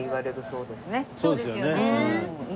そうですよね。